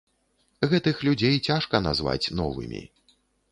Гэтых людзей цяжка назваць новымі.